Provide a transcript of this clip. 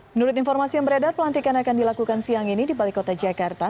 menurut informasi yang beredar pelantikan akan dilakukan siang ini di balik kota jakarta